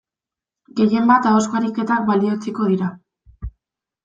Gehien bat ahozko ariketak balioetsiko dira.